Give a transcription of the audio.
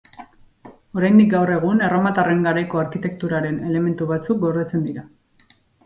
Oraindik gaur egun erromatarren garaiko arkitekturaren elementu batzuk gordetzen dira.